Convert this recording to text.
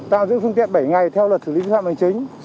tạm giữ phương tiện bảy ngày theo luật xử lý vi phạm hành chính